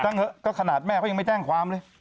เถอะก็ขนาดแม่เขายังไม่แจ้งความเลย